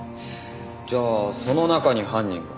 じゃあその中に犯人が？